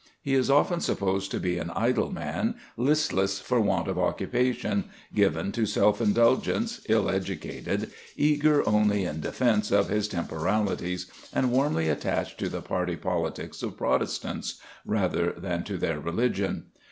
He is often supposed to be an idle man, listless for want of occupation, given to self indulgence, ill educated, eager only in defence of his temporalities, and warmly attached to the party politics of Protestants, rather than to their religion.